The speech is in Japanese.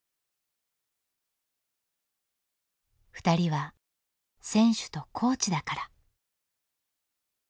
ふたりは選手とコーチだから。